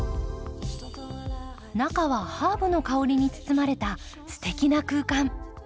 中はハーブの香りに包まれたすてきな空間。